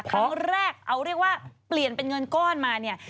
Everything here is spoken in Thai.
ครั้งแรกเอาเรียกว่าเปลี่ยนเป็นเงินก้อนมาเนี่ย